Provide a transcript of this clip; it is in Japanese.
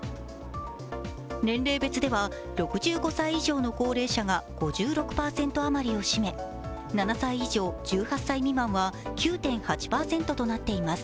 年齢別では６５歳以上の高齢者が５６％余りを占め７歳以上１８歳未満は９．８％となっています。